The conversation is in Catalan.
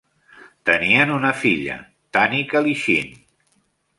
Tenien una filla, Tanica Lichine.